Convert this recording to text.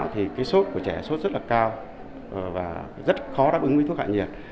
thì cái sốt của trẻ sốt rất là cao và rất khó đáp ứng với thuốc hạ nhiệt